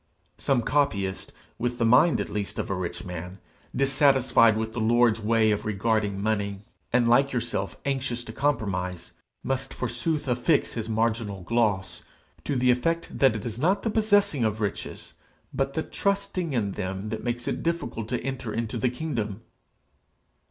Some copyist, with the mind at least of a rich man, dissatisfied with the Lord's way of regarding money, and like yourself anxious to compromize, must forsooth affix his marginal gloss to the effect that it is not the possessing of riches, but the trusting in them, that makes it difficult to enter into the kingdom!